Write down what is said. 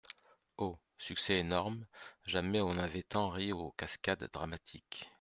Oh ! succès énorme ! jamais on n'avait tant ri aux Cascades-Dramatiques !